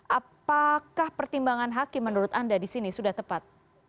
apakah pertimbangan hakim menurut anda di sini sudah tepat